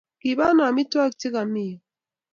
Kiba ano amitwogik chevkami yu?